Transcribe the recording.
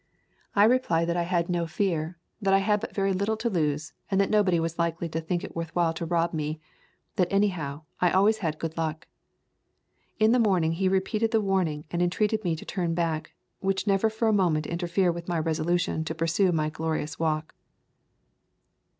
I replied that I had no fear, that I had but [ 25 ] A Thousand Mile Walk very little to lose, and that nobody was likely to think it worth while to rob me; that, anyhow, I always had good luck. In the morning he repeated the warning and entreated me to turn back, which never for a moment interfered with my resolution to pursue my glorious walk.